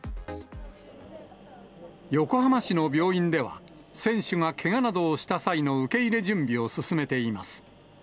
横浜市の病院では、選手がけがなどをした際の受け入れ準備を進めています。